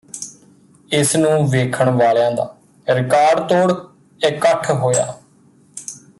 ਇਸ ਨੂੰ ਵੇਖਣ ਵਾਲਿਆਂ ਦਾ ਰਿਕਾਰਡਤੋੜ ਕੱਠ ਹੋਇਆ